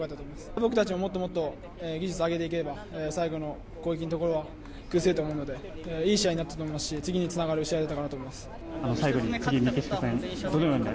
僕たちももっと技術を上げていけば最後のところ崩せたと思うのでいい試合になったと思いますし次につながる試合になると思います。